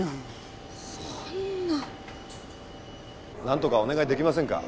何とかお願いできませんか？